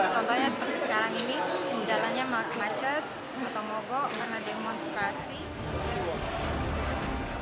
contohnya seperti sekarang ini jalannya macet atau mogok karena demonstrasi